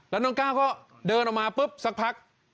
แล้วน้องก้าวก็เดินออกมาปุ๊บสักพัก